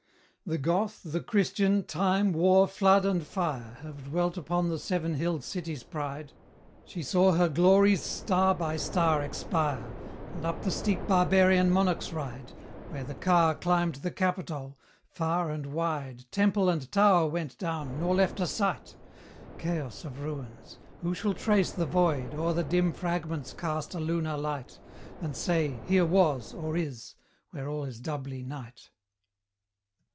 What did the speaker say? The Goth, the Christian, Time, War, Flood, and Fire, Have dwelt upon the seven hilled city's pride: She saw her glories star by star expire, And up the steep barbarian monarchs ride, Where the car climbed the Capitol; far and wide Temple and tower went down, nor left a site; Chaos of ruins! who shall trace the void, O'er the dim fragments cast a lunar light, And say, 'Here was, or is,' where all is doubly night?